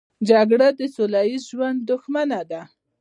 جګړه د سوله ییز ژوند دښمنه ده